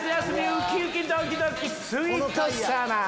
ウキウキドキドキスイートサマー！